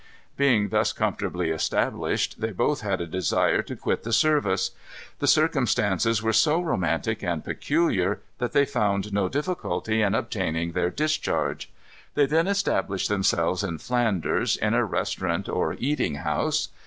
Being thus comfortably established, they both had a desire to quit the service. The circumstances were so romantic and peculiar that they found no difficulty in obtaining their discharge. They then established themselves in Flanders, in a restaurant or eating house.